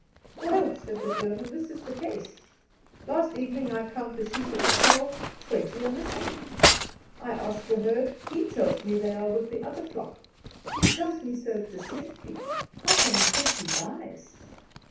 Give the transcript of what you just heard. "Well," said the German, "this is the case. Last evening I count the sheep at the kraal twenty are missing. I ask the herd; he tells me they are with the other flock; he tells me so distinctly; how can I think he lies?